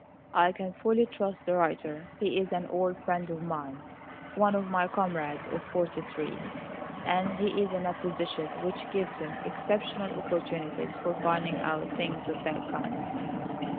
"I can fully trust the writer. He is an old friend of mine one of my comrades of '43, and he is in a position which gives him exceptional opportunities for finding out things of that kind."